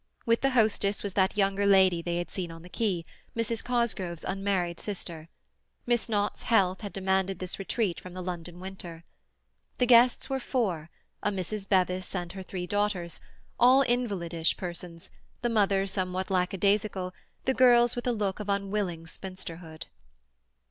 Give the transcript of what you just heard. With the hostess was that younger lady they had seen on the quay, Mrs. Cosgrove's unmarried sister; Miss Knott's health had demanded this retreat from the London winter. The guests were four—a Mrs. Bevis and her three daughters—all invalidish persons, the mother somewhat lackadaisical, the girls with a look of unwilling spinsterhood.